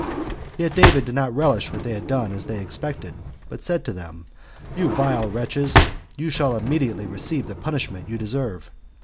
Yet David did not relish what they had done as they expected, but said to them, "You vile wretches, you shall immediately receive the punishment you deserve.